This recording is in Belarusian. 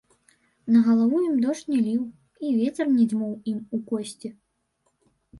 На галаву ім дождж не ліў, і вецер не дзьмуў ім у косці.